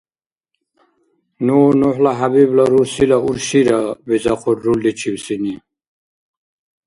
— Ну Нухӏла Хӏябибла рурсила уршира, — бизахъур рульличивсини.